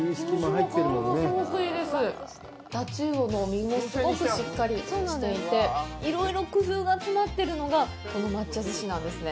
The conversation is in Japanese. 太刀魚の身もすごくしっかりしていていろいろ工夫が詰まっているのがこの、まっちゃずしなんですね。